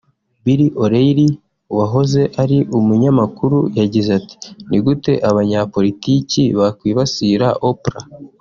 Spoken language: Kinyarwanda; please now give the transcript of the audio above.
Bill O’Reilly wahoze ari umunyamakuru yagize ati “Ni gute abanyapolitiki bakwibasira Oprah